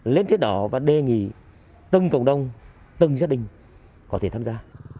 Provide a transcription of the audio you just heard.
lên trái đỏ và đề nghị tân cộng đồng tân gia đình có thể tham gia